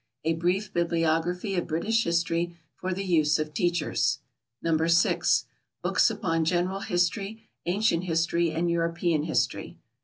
A Brief Bibliography of British History for the use of teachers. No. 6. Books upon General History, Ancient History and European History.